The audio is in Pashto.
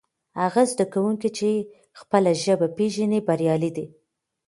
هغه زده کوونکی چې خپله ژبه پېژني بریالی دی.